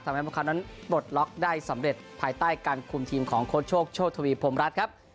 พวกเขานั้นปลดล็อกได้สำเร็จภายใต้การคุมทีมของโค้ชโชคโชคทวีพรมรัฐครับ